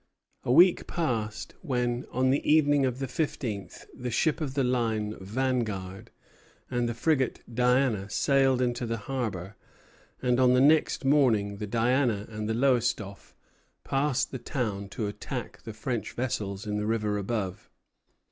A week passed, when, on the evening of the fifteenth, the ship of the line "Vanguard" and the frigate "Diana" sailed into the harbor; and on the next morning the "Diana" and the "Lowestoffe" passed the town to attack the French vessels in the river above.